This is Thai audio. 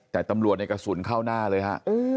แต่ตำรวจในกระสุนเข้าหน้าเลยฮะ